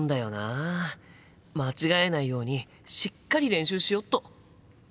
間違えないようにしっかり練習しよっと。